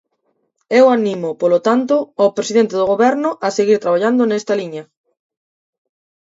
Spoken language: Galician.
Eu animo, polo tanto, o presidente do Goberno a seguir traballando nesta liña.